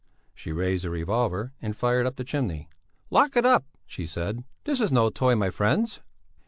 She raised the revolver and fired up the chimney. "Lock it up," she said, "this is no toy, my friends."